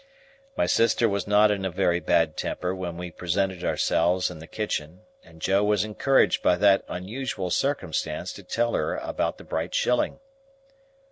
My sister was not in a very bad temper when we presented ourselves in the kitchen, and Joe was encouraged by that unusual circumstance to tell her about the bright shilling.